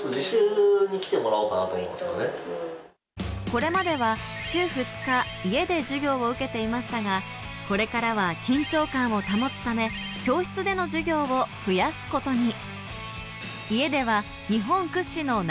これまでは週２日、家で授業を受けていましたが、これからは緊張感を保つため教室での授業を増やすことに。